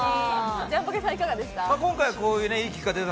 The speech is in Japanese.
ジャンポケさんはいかがでした？